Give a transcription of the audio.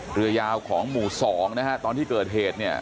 เรือยาวของหมู่สองนะฮะตอนที่เกิดเหตุเนี่ย